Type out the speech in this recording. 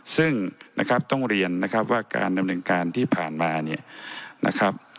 ซึ่งต้องเรียนว่าการดำเนินการที่ผ่านมา